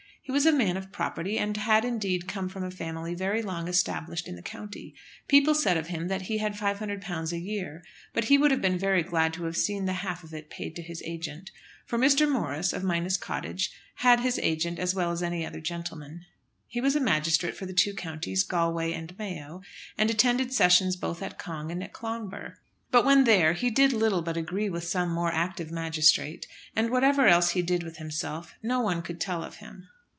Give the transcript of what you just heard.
He was a man of property, and had, indeed, come from a family very long established in the county. People said of him that he had £500 a year; but he would have been very glad to have seen the half of it paid to his agent; for Mr. Morris, of Minas Cottage, had his agent as well as any other gentleman. He was a magistrate for the two counties, Galway and Mayo, and attended sessions both at Cong and at Clonbur. But when there he did little but agree with some more active magistrate; and what else he did with himself no one could tell of him.